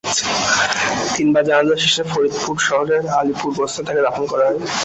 তিনবার জানাজা শেষে ফরিদপুর শহরের আলীপুর গোরস্থানে তাঁকে দাফন করা হয়।